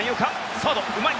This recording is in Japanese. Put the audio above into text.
サード、うまい。